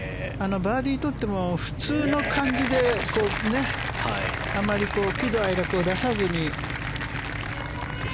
バーディーとっても普通の感じであまり喜怒哀楽を出さずに。